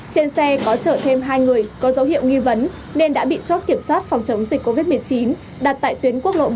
trên xe có chở thêm hai người có dấu hiệu nghi vấn nên đã bị chót kiểm soát phòng chống dịch covid một mươi chín đặt tại tuyến quốc lộ một